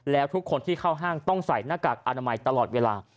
แล้วทุกคนที่เข้าห้างต้องใส่หน้ากากอนามัยตลอดเวลา